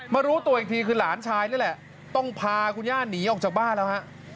รู้ตัวอีกทีคือหลานชายนี่แหละต้องพาคุณย่าหนีออกจากบ้านแล้วฮะ